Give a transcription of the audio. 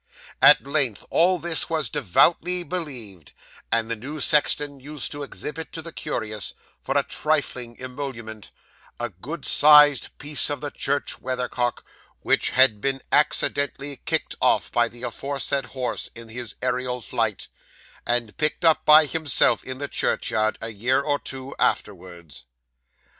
At length all this was devoutly believed; and the new sexton used to exhibit to the curious, for a trifling emolument, a good sized piece of the church weathercock which had been accidentally kicked off by the aforesaid horse in his aerial flight, and picked up by himself in the churchyard, a year or two afterwards.